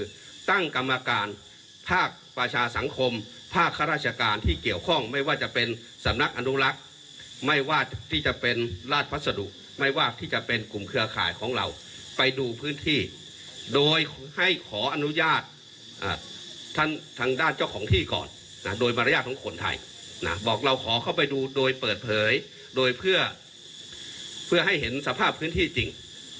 คือตั้งกรรมการภาคประชาสังคมภาคข้าราชการที่เกี่ยวข้องไม่ว่าจะเป็นสำนักอนุรักษ์ไม่ว่าที่จะเป็นราชพัสดุไม่ว่าที่จะเป็นกลุ่มเครือข่ายของเราไปดูพื้นที่โดยให้ขออนุญาตท่านทางด้านเจ้าของที่ก่อนนะโดยมารยาทของคนไทยนะบอกเราขอเข้าไปดูโดยเปิดเผยโดยเพื่อให้เห็นสภาพพื้นที่จริง